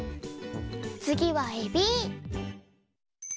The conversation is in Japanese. つぎはえび！